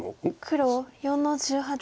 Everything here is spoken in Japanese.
黒４の十八。